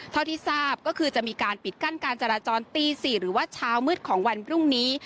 เท่าที่ทราบก็คือจะมีการปิดกั้นการจราจรตี๔หรือว่าเช้ามืดของวันพรุ่งนี้